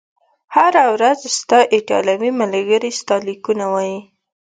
هره ورځ، ستا ایټالوي ملګري ستا لیکونه وایي؟